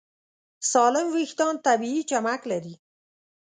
سالم وېښتيان طبیعي چمک لري.